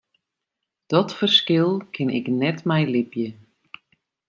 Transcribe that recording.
Dat ferskil kin ik net mei libje.